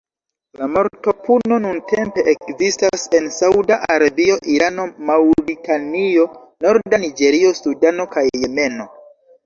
La mortopuno nuntempe ekzistas en Sauda Arabio, Irano, Maŭritanio, norda Niĝerio, Sudano, kaj Jemeno.